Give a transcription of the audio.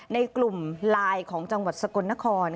ในกลุ่มไลน์ของจังหวัดสกลนคร